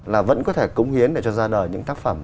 là vẫn có thể cống hiến để cho ra đời những tác phẩm